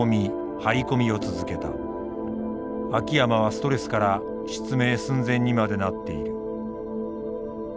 秋山はストレスから失明寸前にまでなっている。